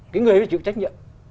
cái người ấy chịu trách nhiệm